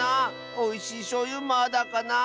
おいしいしょうゆまだかなあ。